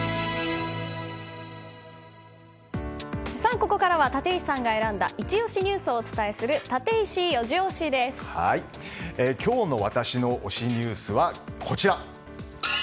ここからは立石さんが選んだニュースをお伝えする今日の私の推しニュースはこちら。